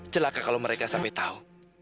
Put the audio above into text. celaka kalau mereka sampai tahu